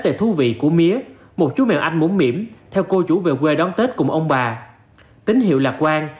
về thú vị của mía một chú mèo anh muốn mỉm theo cô chủ về quê đón tết cùng ông bà tín hiệu lạc quan